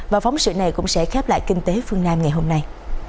và phóng sự này cũng sẽ khép lại kinh tế phương nam ngày hôm nay